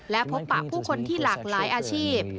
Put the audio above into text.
และพบปะผู้คนที่หลากหลายอาชีพ